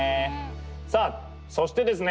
さぁそしてですね